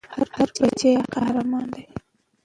هر بــچی ېي قـــهــــــــرمان دی